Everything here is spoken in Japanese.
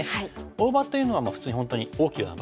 大場というのは普通に本当に大きな場所。